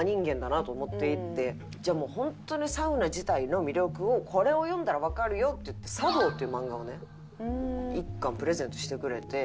じゃあもう本当にサウナ自体の魅力をこれを読んだらわかるよって言って『サ道』っていう漫画をね１巻プレゼントしてくれて。